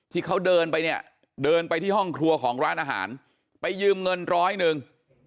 ที่เขาเดินไปเนี่ยเดินไปที่ห้องครัวของร้านอาหารไปยืมเงินร้อยหนึ่ง